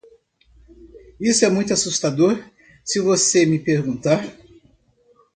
Isso é muito assustador se você me perguntar.